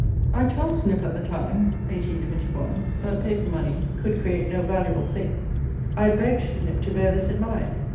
I told Snip at the time (1821), that paper money could create no valuable thing. I begged Snip to bear this in mind.